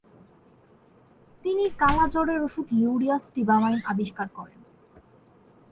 তিনি কালাজ্বরের ওষুধ urea stibamine আবিষ্কার করেন।